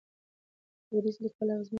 لوېدیځ لیکوال اغېزمن شول.